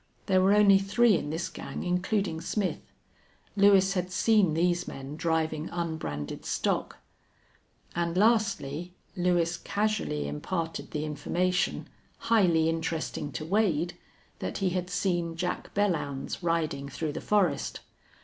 There were only three in this gang, including Smith. Lewis had seen these men driving unbranded stock. And lastly, Lewis casually imparted the information, highly interesting to Wade, that he had seen Jack Belllounds riding through the forest.